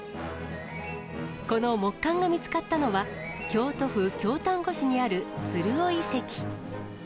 この木簡が見つかったのは、京都府京丹後市にあるつる尾遺跡。